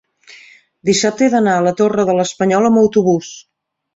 dissabte he d'anar a la Torre de l'Espanyol amb autobús.